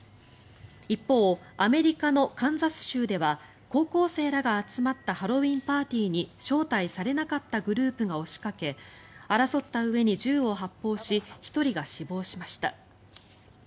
一方、アメリカのカンザス州では高校生らが集まったハロウィーンパーティーに招待されなかったグループが押しかけ争ったうえに銃を発砲し１人が死亡しました。